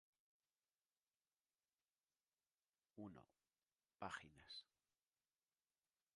I. Págs.